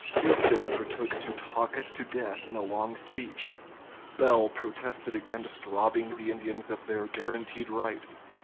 Houston undertook to talk it to death in a long speech; Bell protested against robbing the Indians of their guaranteed rights.